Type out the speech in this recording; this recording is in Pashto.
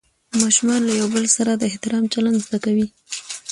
ماشومان له یو بل سره د احترام چلند زده کوي